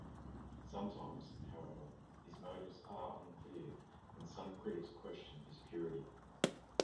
Sometimes, however, his motives are unclear, and some critics question his purity.